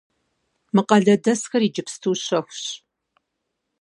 Мы къалэдэсхэр иджыпсту щэхущ.